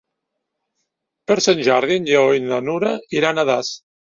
Per Sant Jordi en Lleó i na Nura iran a Das.